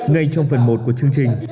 ngay trong phần một của chương trình